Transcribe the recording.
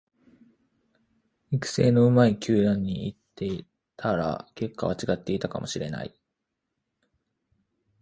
育成の上手い球団に行ってたら結果は違っていたかもしれない